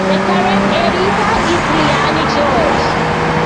The current editor is Lianne George.